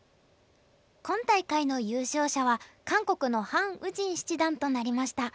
今大会の優勝者は韓国のハン・ウジン七段となりました。